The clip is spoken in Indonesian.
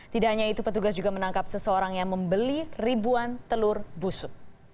tidak hanya itu petugas juga menangkap seseorang yang membeli ribuan telur busuk